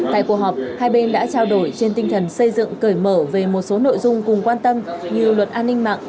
tại cuộc họp hai bên đã trao đổi trên tinh thần xây dựng cởi mở về một số nội dung cùng quan tâm như luật an ninh mạng